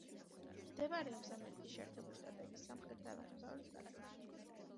მდებარეობს ამერიკის შეერთებული შტატების სამხრეთ-აღმოსავლეთ ნაწილში.